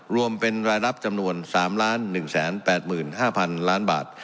รวมเป็นรายรับจำนวน๓๑๘๕๐๐๐ล้านบาท